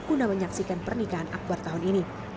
guna menyaksikan pernikahan akbar tahun ini